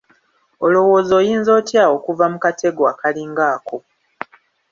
Olowooza oyinza otya okuva mu katego akalinga ako?